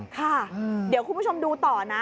ค่ะเดี๋ยวคุณผู้ชมดูต่อนะ